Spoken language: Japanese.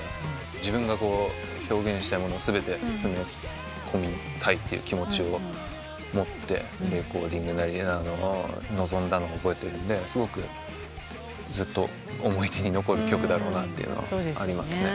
自分が表現したいもの全て詰め込みたいって気持ちを持ってレコーディングなり臨んだのを覚えてるんですごくずっと思い出に残る曲だろうなというのはありますね。